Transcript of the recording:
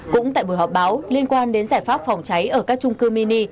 cũng tại buổi họp báo liên quan đến giải pháp phòng cháy ở các trung cư mini